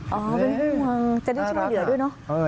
เป็นห่วงจะได้ช่วยเหลือด้วยเนอะ